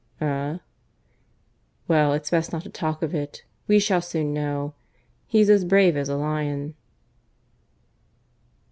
"Eh?" "Well, it's best not to talk of it. We shall soon know. He's as brave as a lion."